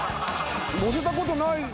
乗せたことない。